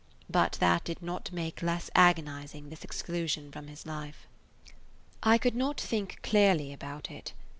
But that did not make less agonizing this exclusion from his life. I could not think clearly about it.